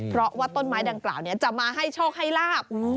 เพราะว่าต้นไม้ดังกล่าวจะมาให้โชคให้ลาบ